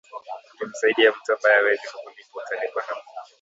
Ukimsaidia mtu ambaye hawezi kukulipa, utalipwa na Mungu.